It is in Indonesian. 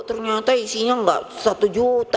ternyata isinya nggak satu juta